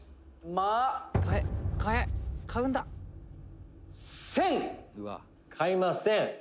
横尾：「買いません？